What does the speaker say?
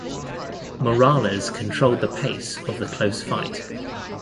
Morales controlled the pace of the close fight.